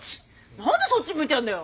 何でそっち向いてんだよ。